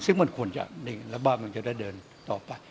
ซึ่งมันควรจะแล้วบ้านมันจะได้เดินต่อไป